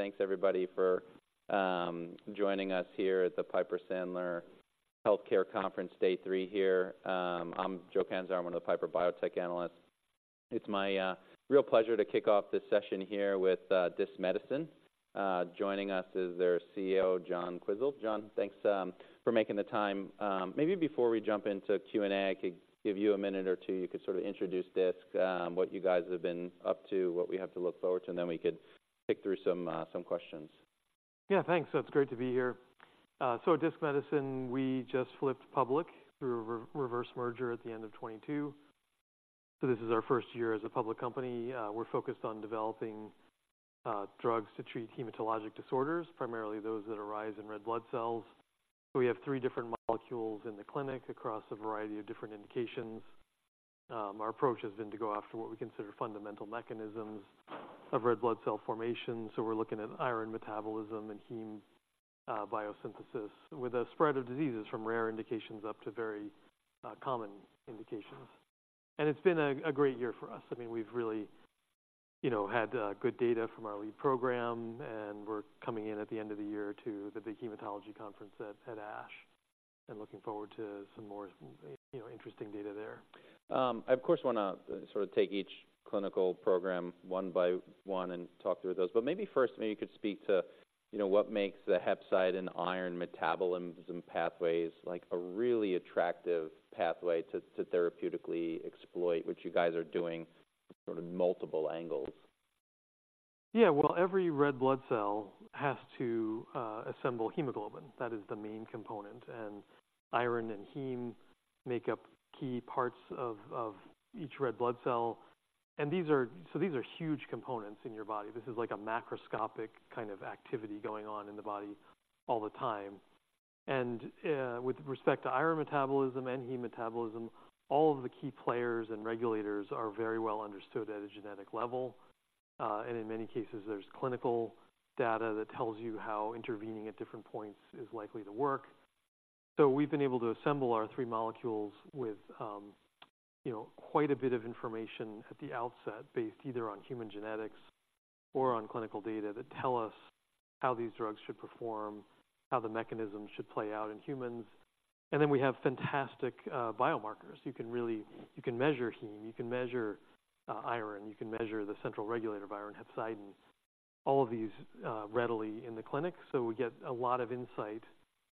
Thanks, everybody, for joining us here at the Piper Sandler Healthcare Conference, day three here. I'm Joe Catanzaro. I'm one of the Piper Biotech analysts. It's my real pleasure to kick off this session here with Disc Medicine. Joining us is their CEO, John Quisel. John, thanks for making the time. Maybe before we jump into Q&A, I could give you a minute or two, you could sort of introduce Disc, what you guys have been up to, what we have to look forward to, and then we could pick through some questions. Yeah, thanks. It's great to be here. So at Disc Medicine, we just flipped public through a reverse merger at the end of 2022. So this is our first year as a public company. We're focused on developing drugs to treat hematologic disorders, primarily those that arise in red blood cells. We have three different molecules in the clinic across a variety of different indications. Our approach has been to go after what we consider fundamental mechanisms of red blood cell formation, so we're looking at iron metabolism and heme biosynthesis, with a spread of diseases from rare indications up to very common indications. And it's been a great year for us. I mean, we've really, you know, had good data from our lead program, and we're coming in at the end of the year to the big hematology conference at ASH, and looking forward to some more, you know, interesting data there. I, of course, want to sort of take each clinical program one by one and talk through those, but maybe first, maybe you could speak to, you know, what makes the hepcidin iron metabolism pathways like a really attractive pathway to therapeutically exploit, which you guys are doing from sort of multiple angles? Yeah, well, every red blood cell has to assemble hemoglobin. That is the main component, and iron and heme make up key parts of each red blood cell, and these are. So these are huge components in your body. This is like a macroscopic kind of activity going on in the body all the time. And, with respect to iron metabolism and heme metabolism, all of the key players and regulators are very well understood at a genetic level. And in many cases, there's clinical data that tells you how intervening at different points is likely to work. So we've been able to assemble our three molecules with, you know, quite a bit of information at the outset, based either on human genetics or on clinical data, that tell us how these drugs should perform, how the mechanism should play out in humans. And then we have fantastic biomarkers. You can measure heme, you can measure iron, you can measure the central regulator of iron, hepcidin, all of these readily in the clinic. So we get a lot of insight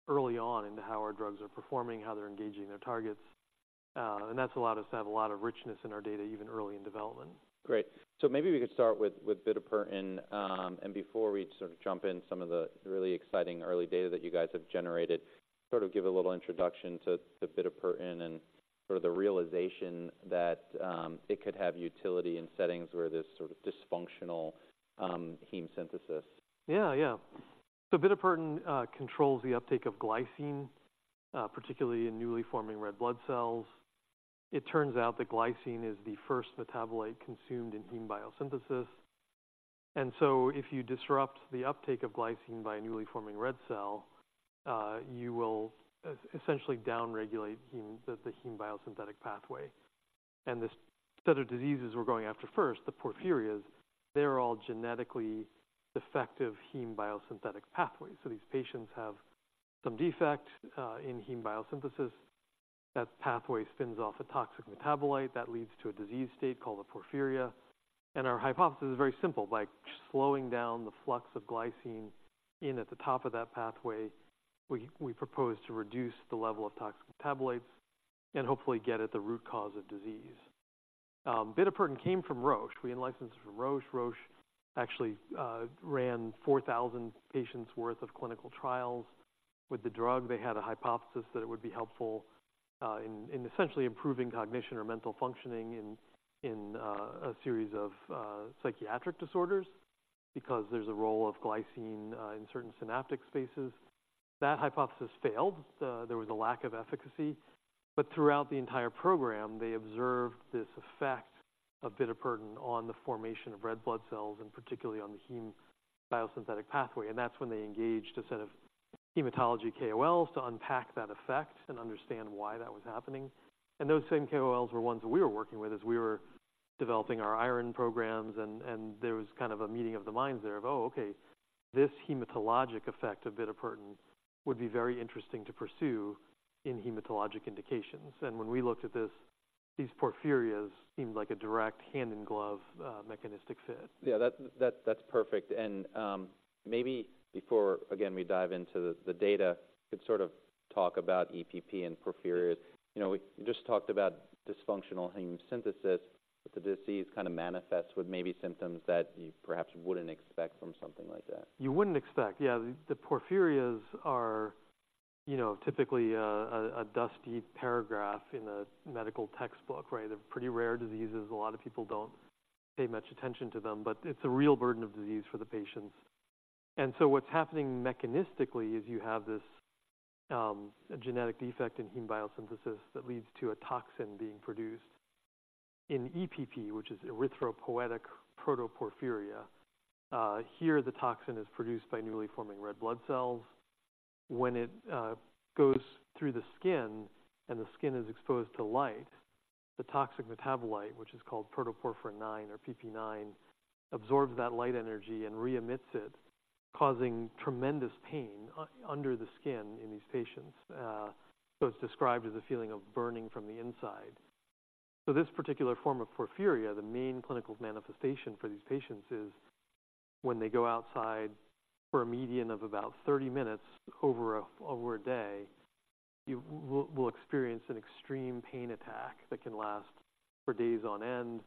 early on into how our drugs are performing, how they're engaging their targets, and that's allowed us to have a lot of richness in our data, even early in development. Great. So maybe we could start with bitopertin, and before we sort of jump in some of the really exciting early data that you guys have generated, sort of give a little introduction to bitopertin and sort of the realization that it could have utility in settings where there's sort of dysfunctional heme synthesis. Yeah, yeah. So bitopertin controls the uptake of glycine, particularly in newly forming red blood cells. It turns out that glycine is the first metabolite consumed in heme biosynthesis. And so if you disrupt the uptake of glycine by a newly forming red cell, you will essentially downregulate heme, the heme biosynthetic pathway. And this set of diseases we're going after first, the porphyrias, they're all genetically defective heme biosynthetic pathways. So these patients have some defect in heme biosynthesis. That pathway spins off a toxic metabolite that leads to a disease state called a porphyria, and our hypothesis is very simple. By slowing down the flux of glycine in at the top of that pathway, we propose to reduce the level of toxic metabolites and hopefully get at the root cause of disease. bitopertin came from Roche. We in-licensed it from Roche. Roche actually ran 4,000 patients' worth of clinical trials with the drug. They had a hypothesis that it would be helpful in essentially improving cognition or mental functioning in a series of psychiatric disorders, because there's a role of glycine in certain synaptic spaces. That hypothesis failed. There was a lack of efficacy, but throughout the entire program, they observed this effect of bitopertin on the formation of red blood cells and particularly on the heme biosynthetic pathway, and that's when they engaged a set of hematology KOLs to unpack that effect and understand why that was happening. Those same KOLs were ones that we were working with as we were developing our iron programs, and there was kind of a meeting of the minds there of, "Oh, okay, this hematologic effect of bitopertin would be very interesting to pursue in hematologic indications." And when we looked at this, these porphyrias seemed like a direct hand-in-glove, mechanistic fit. Yeah, that, that, that's perfect. And, maybe before, again, we dive into the data, you could sort of talk about EPP and porphyrias. You know, we just talked about dysfunctional heme synthesis, but the disease kind of manifests with maybe symptoms that you perhaps wouldn't expect from something like that. You wouldn't expect. Yeah, the porphyrias are, you know, typically a dusty paragraph in a medical textbook, right? They're pretty rare diseases. A lot of people don't pay much attention to them, but it's a real burden of disease for the patients. And so what's happening mechanistically is you have this, a genetic defect in heme biosynthesis that leads to a toxin being produced. In EPP, which is erythropoietic protoporphyria, here, the toxin is produced by newly forming red blood cells.... when it goes through the skin and the skin is exposed to light, the toxic metabolite, which is called Protoporphyrin IX or PPIX, absorbs that light energy and re-emits it, causing tremendous pain under the skin in these patients. So it's described as a feeling of burning from the inside. So this particular form of porphyria, the main clinical manifestation for these patients is when they go outside for a median of about 30 minutes over a day, you will experience an extreme pain attack that can last for days on end,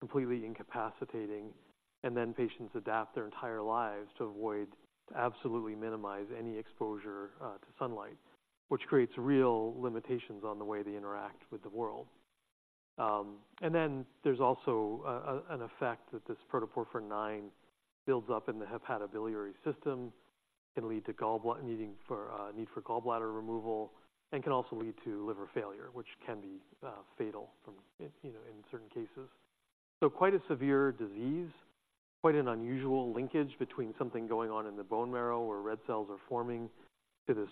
completely incapacitating. And then patients adapt their entire lives to avoid, to absolutely minimize any exposure to sunlight, which creates real limitations on the way they interact with the world. And then there's also an effect that this Protoporphyrin IX builds up in the hepatobiliary system, can lead to needing for need for gallbladder removal, and can also lead to liver failure, which can be fatal from, you know, in certain cases. So quite a severe disease, quite an unusual linkage between something going on in the bone marrow, where red cells are forming, to this,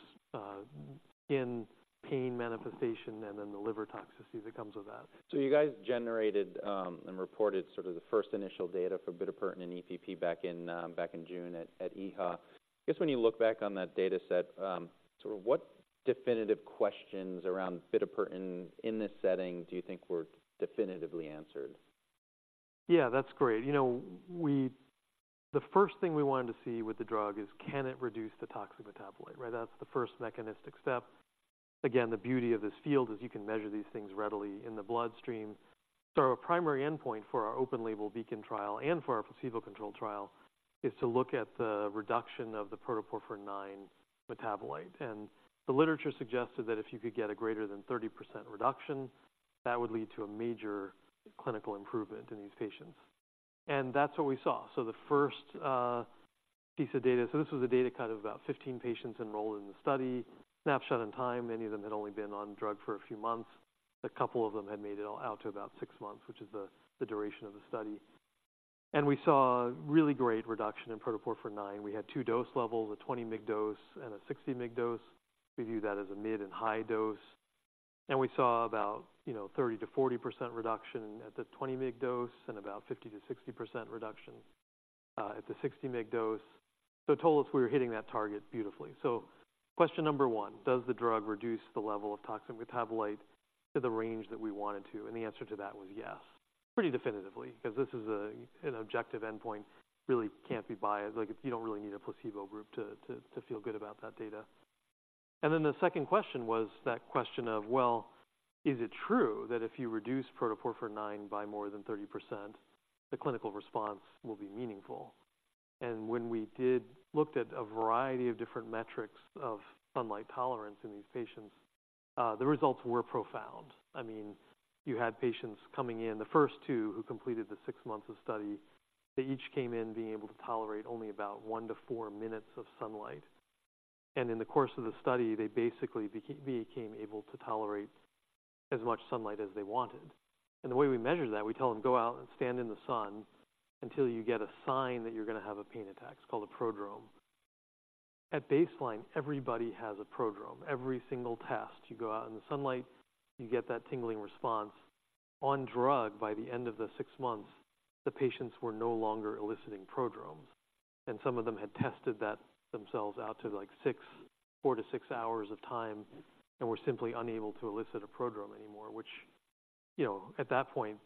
skin pain manifestation and then the liver toxicity that comes with that. So you guys generated and reported sort of the first initial data for bitopertin and EPP back in June at EHA. I guess when you look back on that data set, sort of what definitive questions around bitopertin in this setting do you think were definitively answered? Yeah, that's great. You know, we-- the first thing we wanted to see with the drug is, can it reduce the toxic metabolite, right? That's the first mechanistic step. Again, the beauty of this field is you can measure these things readily in the bloodstream. So our primary endpoint for our open-label BEACON trial and for our placebo-controlled trial is to look at the reduction of the Protoporphyrin IX metabolite. And the literature suggested that if you could get a greater than 30% reduction, that would lead to a major clinical improvement in these patients. And that's what we saw. So the first piece of data... So this was a data cut of about 15 patients enrolled in the study, snapshot in time. Many of them had only been on drug for a few months. A couple of them had made it out to about 6 months, which is the duration of the study. We saw a really great reduction in Protoporphyrin IX. We had two dose levels, a 20 mg dose and a 60 mg dose. We view that as a mid and high dose. We saw about, you know, 30%-40% reduction at the 20 mg dose, and about 50%-60% reduction at the 60 mg dose. So it told us we were hitting that target beautifully. So question number one: Does the drug reduce the level of toxic metabolite to the range that we want it to? And the answer to that was yes, pretty definitively, because this is an objective endpoint, really can't be biased. Like, you don't really need a placebo group to feel good about that data. And then the second question was that question of, well, is it true that if you reduce Protoporphyrin IX by more than 30%, the clinical response will be meaningful? And when we did looked at a variety of different metrics of sunlight tolerance in these patients, the results were profound. I mean, you had patients coming in, the first two who completed the 6 months of study, they each came in being able to tolerate only about 1-4 minutes of sunlight. And in the course of the study, they basically be became able to tolerate as much sunlight as they wanted. And the way we measure that, we tell them, "Go out and stand in the sun until you get a sign that you're going to have a pain attack." It's called a prodrome. At baseline, everybody has a prodrome. Every single test, you go out in the sunlight, you get that tingling response. On drug, by the end of the six months, the patients were no longer eliciting prodromes, and some of them had tested that themselves out to, like, four to six hours of time and were simply unable to elicit a prodrome anymore, which, you know, at that point,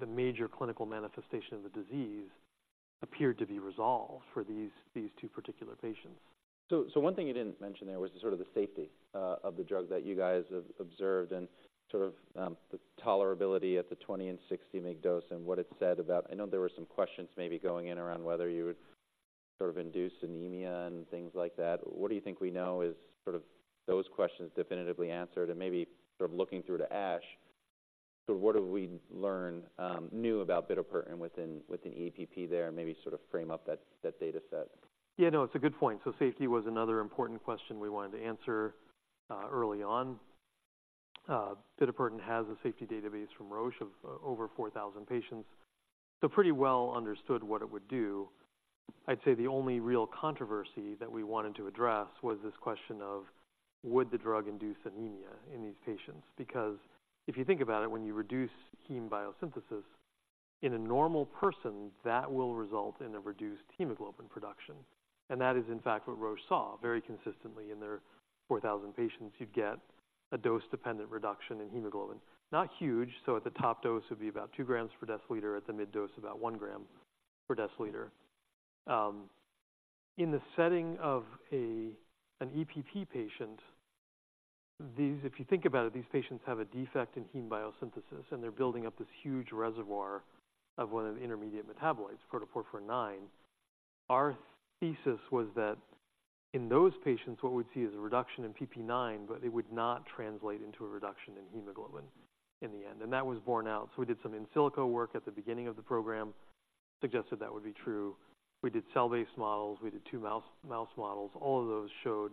the major clinical manifestation of the disease appeared to be resolved for these, these two particular patients. So one thing you didn't mention there was sort of the safety of the drug that you guys have observed and sort of the tolerability at the 20 and 60 mg dose and what it said about... I know there were some questions maybe going in around whether you would sort of induce anemia and things like that. What do you think we know is sort of those questions definitively answered? And maybe sort of looking through to ASH, so what have we learned new about bitopertin within EPP there, and maybe sort of frame up that data set? Yeah, no, it's a good point. So safety was another important question we wanted to answer early on. bitopertin has a safety database from Roche of over 4,000 patients, so pretty well understood what it would do. I'd say the only real controversy that we wanted to address was this question of: Would the drug induce anemia in these patients? Because if you think about it, when you reduce heme biosynthesis in a normal person, that will result in a reduced hemoglobin production. And that is, in fact, what Roche saw very consistently in their 4,000 patients. You'd get a dose-dependent reduction in hemoglobin. Not huge, so at the top dose, it would be about 2 grams per deciliter, at the mid dose, about 1 gram per deciliter. In the setting of an EPP patient, these—if you think about it, these patients have a defect in heme biosynthesis, and they're building up this huge reservoir of one of the intermediate metabolites, Protoporphyrin IX. Our thesis was that in those patients, what we'd see is a reduction in PP IX, but it would not translate into a reduction in hemoglobin in the end, and that was borne out. So we did some in silico work at the beginning of the program, suggested that would be true. We did cell-based models, we did two mouse models. All of those showed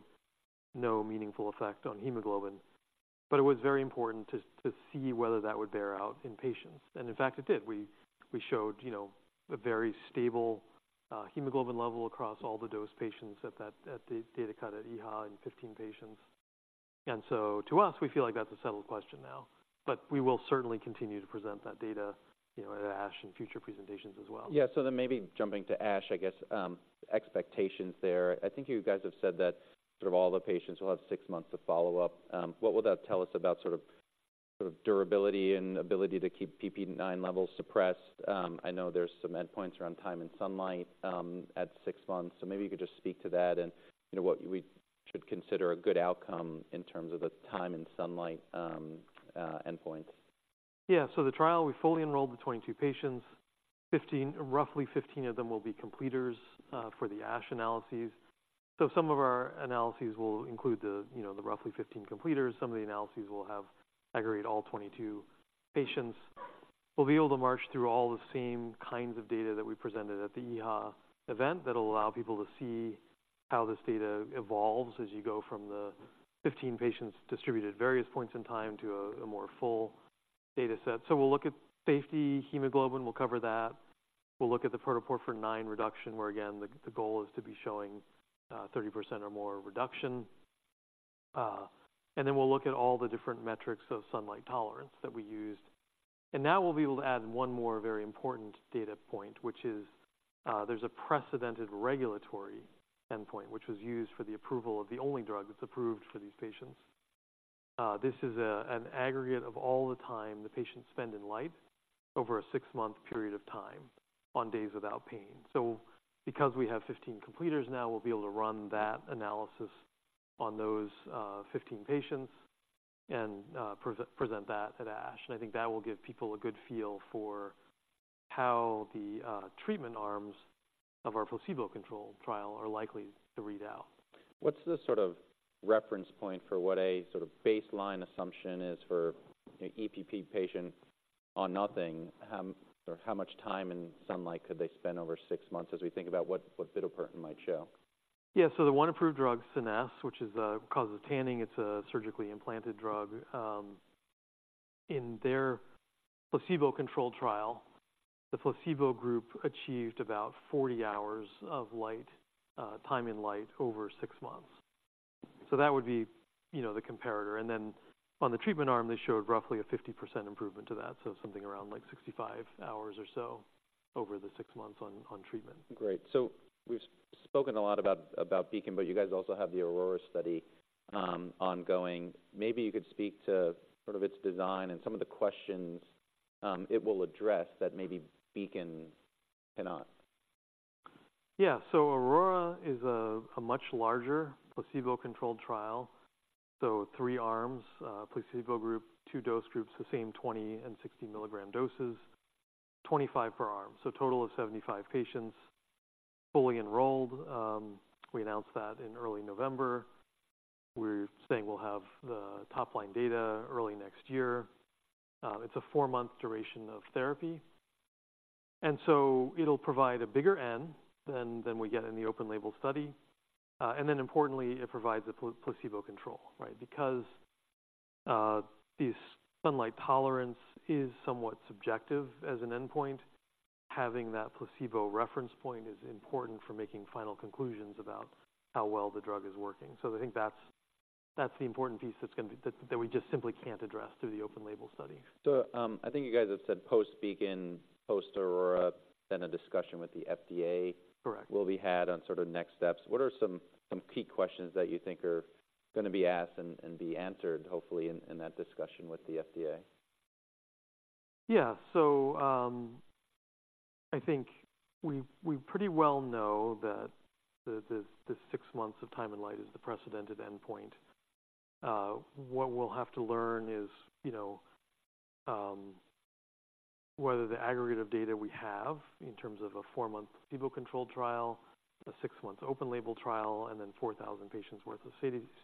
no meaningful effect on hemoglobin.... but it was very important to, to see whether that would bear out in patients. In fact, it did. We showed, you know, a very stable hemoglobin level across all the dose patients at that, at the data cut at EHA in 15 patients. And so to us, we feel like that's a settled question now. But we will certainly continue to present that data, you know, at ASH in future presentations as well. Yeah, so then maybe jumping to ASH, I guess, expectations there. I think you guys have said that sort of all the patients will have six months of follow-up. What will that tell us about sort of, sort of durability and ability to keep PPIX levels suppressed? I know there's some endpoints around time and sunlight at six months, so maybe you could just speak to that and, you know, what we should consider a good outcome in terms of the time and sunlight endpoints. Yeah. So the trial, we fully enrolled the 22 patients. Roughly 15 of them will be completers for the ASH analyses. So some of our analyses will include the, you know, the roughly 15 completers. Some of the analyses will have aggregate all 22 patients. We'll be able to march through all the same kinds of data that we presented at the EHA event. That'll allow people to see how this data evolves as you go from the 15 patients distributed at various points in time to a more full data set. So we'll look at safety, hemoglobin, we'll cover that. We'll look at the Protoporphyrin IX reduction, where again, the goal is to be showing 30% or more reduction. And then we'll look at all the different metrics of sunlight tolerance that we used. And now we'll be able to add one more very important data point, which is, there's a precedented regulatory endpoint, which was used for the approval of the only drug that's approved for these patients. This is an aggregate of all the time the patients spend in light over a six-month period of time on days without pain. So because we have 15 completers now, we'll be able to run that analysis on those 15 patients and present that at ASH. And I think that will give people a good feel for how the treatment arms of our placebo-controlled trial are likely to read out. What's the sort of reference point for what a sort of baseline assumption is for an EPP patient on nothing? Or how much time in sunlight could they spend over six months as we think about what, what bitopertin might show? Yeah. So the one approved drug, Scenesse, which is causes tanning, it's a surgically implanted drug. In their placebo-controlled trial, the placebo group achieved about 40 hours of light time in light over 6 months. So that would be, you know, the comparator, and then on the treatment arm, they showed roughly a 50% improvement to that, so something around like 65 hours or so over the 6 months on treatment. Great. So we've spoken a lot about, about BEACON, but you guys also have the AURORA study, ongoing. Maybe you could speak to sort of its design and some of the questions, it will address that maybe BEACON cannot. Yeah. So AURORA is a much larger placebo-controlled trial. So 3 arms, placebo group, two dose groups, the same 20 and 60 mg doses, 25 per arm, so a total of 75 patients fully enrolled. We announced that in early November. We're saying we'll have the top-line data early next year. It's a 4-month duration of therapy, and so it'll provide a bigger N than we get in the open label study. And then importantly, it provides a placebo control, right? Because this sunlight tolerance is somewhat subjective as an endpoint, having that placebo reference point is important for making final conclusions about how well the drug is working. So I think that's the important piece that's gonna be... That we just simply can't address through the open label study. I think you guys have said post-BEACON, post-AURORA, then a discussion with the FDA. Correct... will be had on sort of next steps. What are some key questions that you think are gonna be asked and be answered, hopefully, in that discussion with the FDA? Yeah. So, I think we pretty well know that the six months of time and light is the precedented endpoint. What we'll have to learn is, you know, whether the aggregate of data we have in terms of a 4-month placebo-controlled trial, a 6-month open-label trial, and then 4,000 patients worth of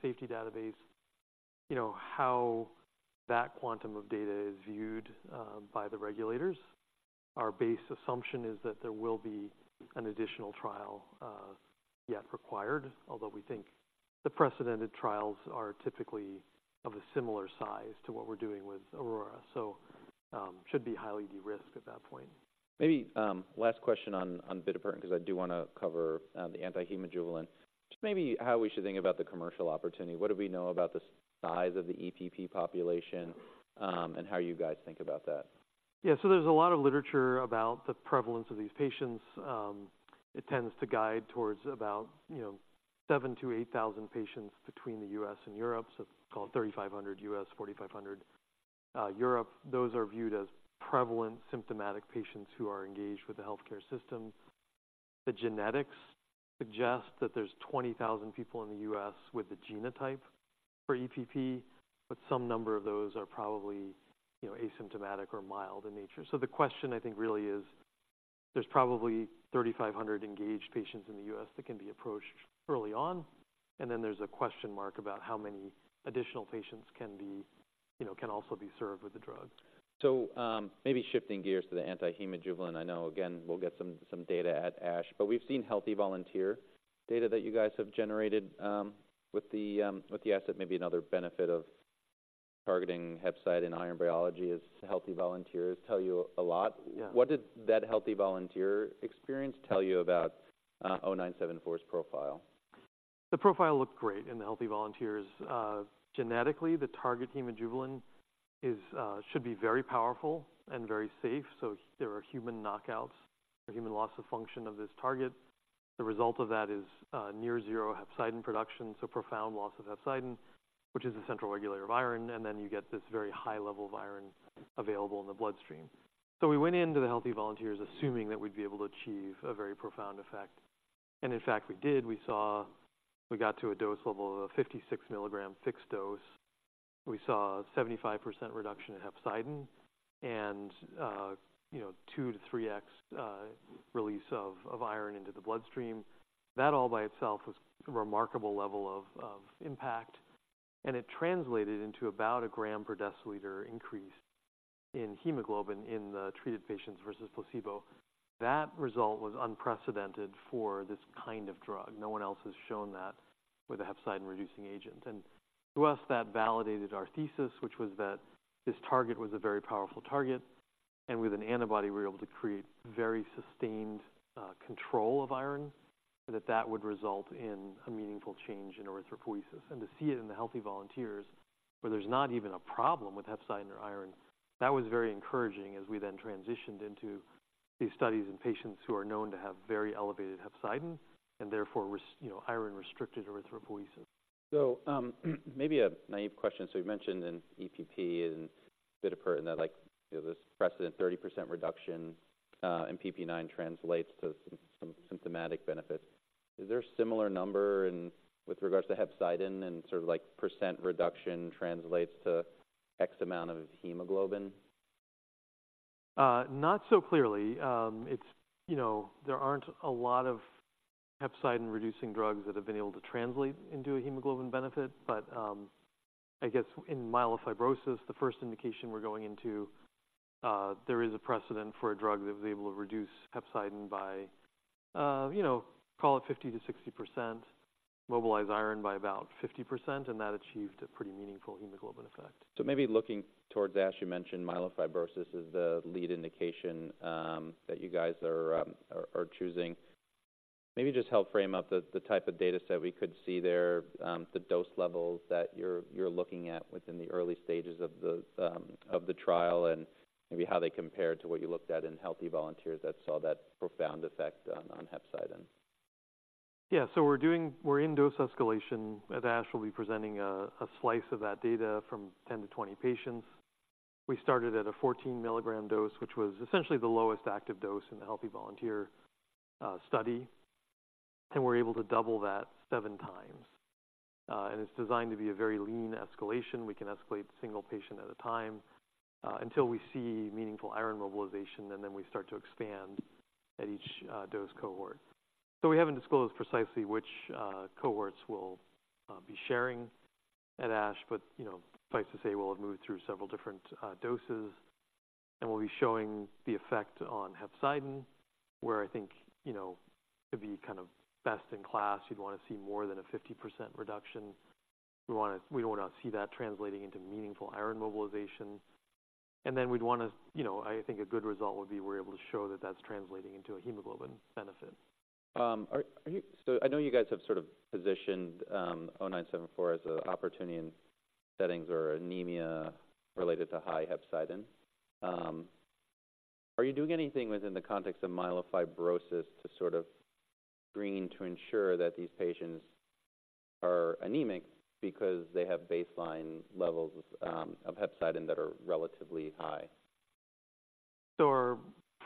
safety database, you know, how that quantum of data is viewed by the regulators. Our base assumption is that there will be an additional trial yet required, although we think the precedented trials are typically of a similar size to what we're doing with AURORA. So, should be highly de-risked at that point. Maybe, last question on, on bitopertin, because I do want to cover, the Anti-hemojuvelin. Just maybe how we should think about the commercial opportunity. What do we know about the size of the EPP population, and how you guys think about that? Yeah, so there's a lot of literature about the prevalence of these patients. It tends to guide towards about, you know, 7,000-8,000 patients between the U.S. and Europe, so call it 3,500 U.S., 4,500 Europe. Those are viewed as prevalent, symptomatic patients who are engaged with the healthcare system. The genetics suggest that there's 20,000 people in the U.S. with the genotype for EPP, but some number of those are probably, you know, asymptomatic or mild in nature. So the question, I think, really is: there's probably 3,500 engaged patients in the U.S. that can be approached early on, and then there's a question mark about how many additional patients you know, can also be served with the drug. So, maybe shifting gears to the Anti-hemojuvelin, I know again, we'll get some data at ASH, but we've seen healthy volunteer data that you guys have generated with the asset. Maybe another benefit of targeting hepcidin and iron biology is healthy volunteers tell you a lot. Yeah. What did that healthy volunteer experience tell you about DISC-0974's profile? The profile looked great in the healthy volunteers. Genetically, the target Hemojuvelin is, should be very powerful and very safe. So there are human knockouts or human loss of function of this target. The result of that is near zero hepcidin production, so profound loss of hepcidin, which is a central regulator of iron, and then you get this very high level of iron available in the bloodstream. So we went into the healthy volunteers assuming that we'd be able to achieve a very profound effect. And in fact, we did. We saw we got to a dose level of a 56 milligram fixed dose. We saw 75% reduction in hepcidin and, you know, 2-3x release of iron into the bloodstream. That all by itself was a remarkable level of impact, and it translated into about a gram per deciliter increase in hemoglobin in the treated patients versus placebo. That result was unprecedented for this kind of drug. No one else has shown that with a hepcidin-reducing agent. And to us, that validated our thesis, which was that this target was a very powerful target, and with an antibody, we were able to create very sustained control of iron, and that would result in a meaningful change in erythropoiesis. And to see it in the healthy volunteers, where there's not even a problem with hepcidin or iron, that was very encouraging as we then transitioned into these studies in patients who are known to have very elevated hepcidin, and therefore, you know, iron-restricted erythropoiesis. Maybe a naive question. So you've mentioned in EPP and bitopertin that, like, you know, this precedent, 30% reduction in PPIX translates to some symptomatic benefits. Is there a similar number in with regards to hepcidin and sort of like % reduction translates to X amount of hemoglobin? Not so clearly. You know, there aren't a lot of hepcidin-reducing drugs that have been able to translate into a hemoglobin benefit. But, I guess in myelofibrosis, the first indication we're going into, there is a precedent for a drug that was able to reduce hepcidin by, you know, call it 50%-60%, mobilize iron by about 50%, and that achieved a pretty meaningful hemoglobin effect. So maybe looking towards that, you mentioned myelofibrosis is the lead indication that you guys are choosing. Maybe just help frame up the type of data set we could see there, the dose levels that you're looking at within the early stages of the trial, and maybe how they compare to what you looked at in healthy volunteers that saw that profound effect on hepcidin. Yeah. So we're in dose escalation. At ASH, we'll be presenting a slice of that data from 10-20 patients. We started at a 14 mg dose, which was essentially the lowest active dose in the healthy volunteer study, and we're able to double that seven times. And it's designed to be a very lean escalation. We can escalate single patient at a time until we see meaningful iron mobilization, and then we start to expand at each dose cohort. So we haven't disclosed precisely which cohorts we'll be sharing at ASH, but, you know, suffice to say, we'll have moved through several different doses, and we'll be showing the effect on hepcidin, where I think, you know, to be kind of best in class, you'd want to see more than a 50% reduction. We'd want to see that translating into meaningful iron mobilization. Then we'd want to, you know, I think a good result would be we're able to show that that's translating into a hemoglobin benefit. Are you? So I know you guys have sort of positioned DISC-0974 as an opportunity in settings of anemia related to high hepcidin. Are you doing anything within the context of myelofibrosis to sort of screen to ensure that these patients are anemic because they have baseline levels of hepcidin that are relatively high? Our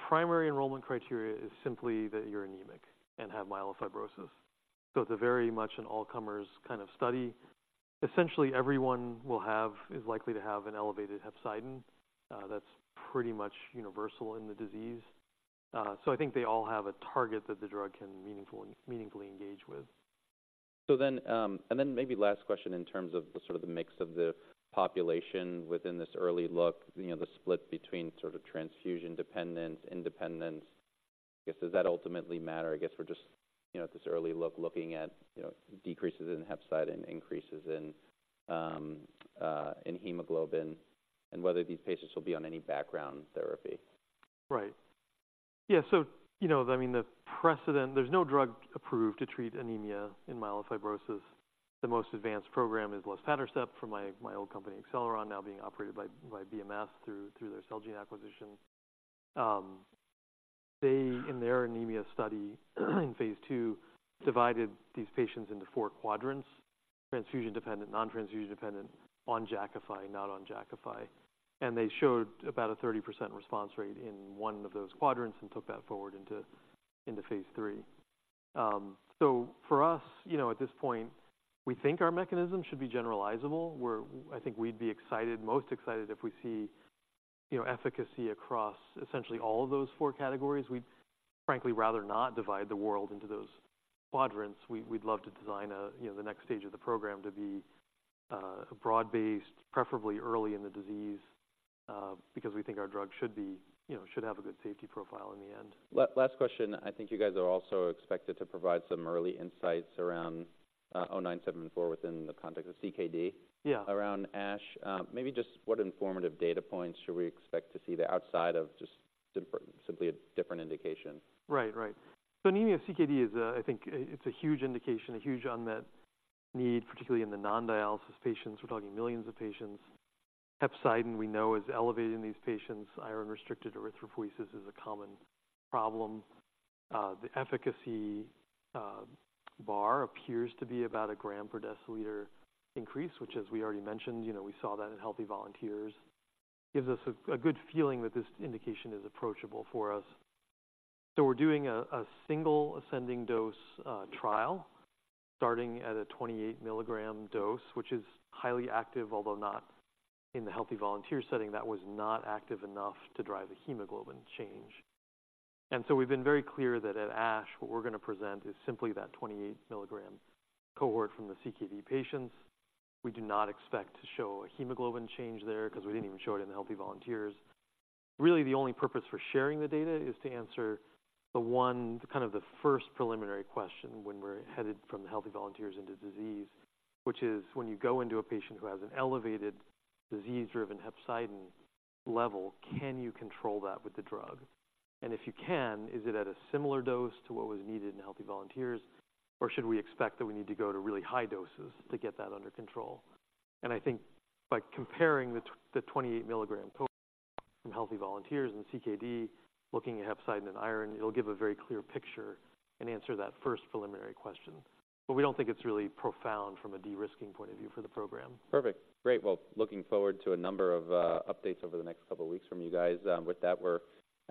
primary enrollment criteria is simply that you're anemic and have myelofibrosis. It's a very much an all-comers kind of study. Essentially, everyone is likely to have an elevated hepcidin. That's pretty much universal in the disease. I think they all have a target that the drug can meaningfully engage with. And then maybe last question in terms of the sort of the mix of the population within this early look, you know, the split between sort of transfusion-dependent, independent. I guess, does that ultimately matter? I guess we're just, you know, at this early look, looking at, you know, decreases in hepcidin, increases in hemoglobin, and whether these patients will be on any background therapy. Right. Yeah, so you know, I mean, the precedent, there's no drug approved to treat anemia in myelofibrosis. The most advanced program is luspatercept-aamt from my old company, Acceleron, now being operated by BMS through their Celgene acquisition. They, in their anemia study, in phase II, divided these patients into four quadrants: transfusion-dependent, non-transfusion dependent, on Jakafi, not on Jakafi. And they showed about a 30% response rate in one of those quadrants and took that forward into phase III. So for us, you know, at this point, we think our mechanism should be generalizable, where I think we'd be excited, most excited if we see you know, efficacy across essentially all of those four categories. We'd frankly rather not divide the world into those quadrants. We'd love to design, you know, the next stage of the program to be broad-based, preferably early in the disease, because we think our drug should be, you know, should have a good safety profile in the end. Last question, I think you guys are also expected to provide some early insights around 0974 within the context of CKD. Yeah. Around ASH, maybe just what informative data points should we expect to see the outside of just simply a different indication? Right. Right. So anemia CKD is, I think, it's a huge indication, a huge unmet need, particularly in the non-dialysis patients. We're talking millions of patients. Hepcidin, we know, is elevating these patients. Iron-restricted erythropoiesis is a common problem. The efficacy bar appears to be about a gram per deciliter increase, which, as we already mentioned, you know, we saw that in healthy volunteers. Gives us a good feeling that this indication is approachable for us. So we're doing a single ascending dose trial starting at a 28-milligram dose, which is highly active, although not in the healthy volunteer setting, that was not active enough to drive a hemoglobin change. And so we've been very clear that at ASH, what we're going to present is simply that 28-milligram cohort from the CKD patients. We do not expect to show a hemoglobin change there because we didn't even show it in healthy volunteers. Really, the only purpose for sharing the data is to answer the one, kind of the first preliminary question when we're headed from healthy volunteers into disease, which is when you go into a patient who has an elevated disease-driven hepcidin level, can you control that with the drug? And if you can, is it at a similar dose to what was needed in healthy volunteers, or should we expect that we need to go to really high doses to get that under control? And I think by comparing the 28-milligram cohort from healthy volunteers in CKD, looking at hepcidin and iron, it'll give a very clear picture and answer that first preliminary question. But we don't think it's really profound from a de-risking point of view for the program. Perfect. Great. Well, looking forward to a number of updates over the next couple of weeks from you guys. With that, we're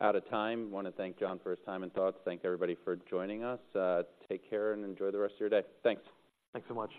out of time. Wanna thank John for his time and thoughts. Thank everybody for joining us. Take care and enjoy the rest of your day. Thanks. Thanks so much.